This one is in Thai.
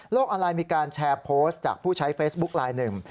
ออนไลน์มีการแชร์โพสต์จากผู้ใช้เฟซบุ๊คลายหนึ่ง